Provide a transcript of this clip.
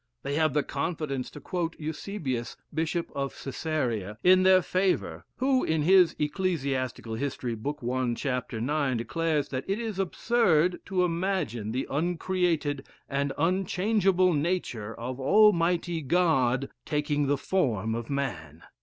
They have the confidence to quote Eusebius, Bishop of Cæsarea, in their favor, who, in his "Ecclesiastical History," book i., chap. 9, declares that it is absurd to imagine the uncreated and unchangeable nature of Almighty God taking the form of a man.